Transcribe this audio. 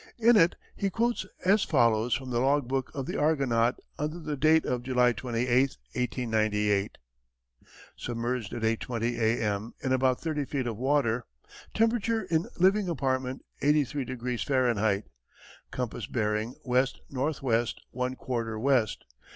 In it he quotes as follows from the log book of the Argonaut under date of July 28, 1898. Submerged at 8.20 A. M. in about thirty feet of water. Temperature in living compartment, eighty three degrees Fahrenheit. Compass bearing west north west, one quarter west.